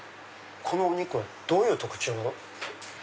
このお肉はどういう特徴が？